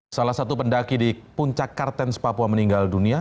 salah satu pendaki di puncak kartens papua meninggal dunia